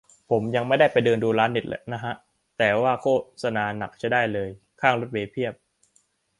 ผมยังไม่ได้ไปเดินดูร้านเน็ตนะฮะ แต่ว่าโฆษนาหนักใช้ได้เลย ข้างรถเมล์เพียบ